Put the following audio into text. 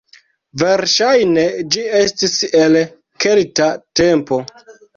Verŝajne ĝi estis el kelta tempo.